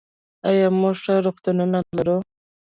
آیا موږ ښه روغتونونه لرو؟